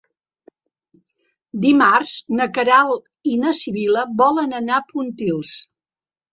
Dimarts na Queralt i na Sibil·la volen anar a Pontils.